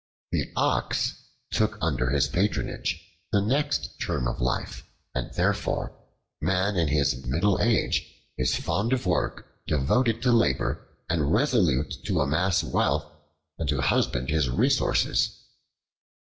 The Ox took under his patronage the next term of life, and therefore man in his middle age is fond of work, devoted to labor, and resolute to amass wealth and to husband his resources.